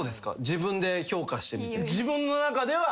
自分で評価してみて。